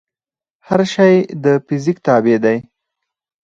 هر شی د فزیک تابع دی.